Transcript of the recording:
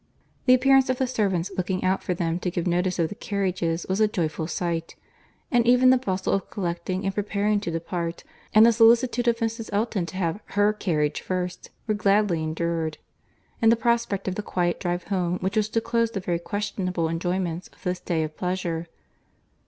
The appearance of the servants looking out for them to give notice of the carriages was a joyful sight; and even the bustle of collecting and preparing to depart, and the solicitude of Mrs. Elton to have her carriage first, were gladly endured, in the prospect of the quiet drive home which was to close the very questionable enjoyments of this day of pleasure.